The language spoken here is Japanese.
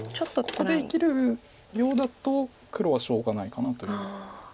ここで生きるようだと黒はしょうがないかなという。